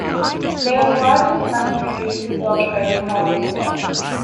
They are the largest mass producer of race cars in the world.